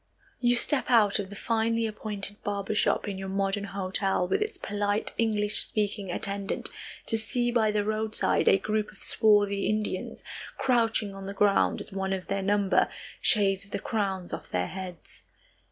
You step out of the finely appointed barber shop in your modern hotel, with its polite, English speaking attendant, to see by the roadside a group of swarthy Indians, crouching on the ground, as one of their number shaves the crowns of their heads.